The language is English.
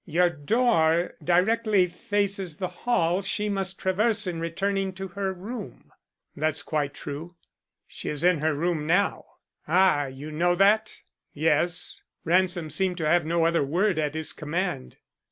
Your door directly faces the hall she must traverse in returning to her room." "That's quite true." "She's in her room now. Ah, you know that?" "Yes." Ransom seemed to have no other word at his command.